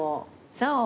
そう。